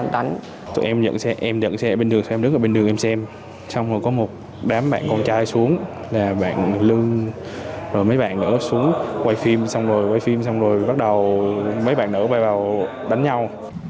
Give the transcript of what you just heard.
tụi em nhận xe em nhận xe bên đường xem đứng ở bên đường em xem xong rồi có một đám bạn con trai xuống là bạn lương rồi mấy bạn nữ xuống quay phim xong rồi quay phim xong rồi bắt đầu mấy bạn nữ quay vào đánh nhau